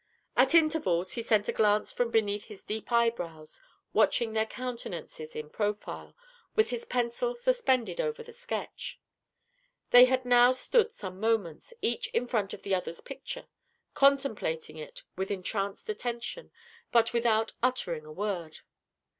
At intervals, he sent a glance from beneath his deep eyebrows, watching their countenances in profile, with his pencil suspended over the sketch. They had now stood some moments, each in front of the other's picture, contemplating it with entranced attention, but without uttering a word.